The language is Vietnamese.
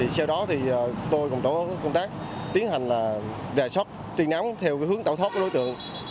sau đó tôi cùng tổ công tác tiến hành rè sót truy nắm theo hướng tạo thoát của đối tượng